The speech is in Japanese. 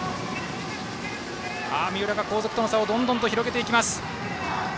三浦、後続との差をどんどん広げています。